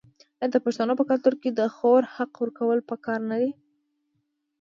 آیا د پښتنو په کلتور کې د خور حق ورکول پکار نه دي؟